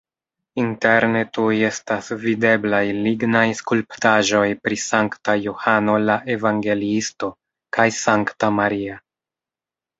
Interne tuj estas videblaj lignaj skulptaĵoj pri Sankta Johano la Evangeliisto kaj Sankta Maria.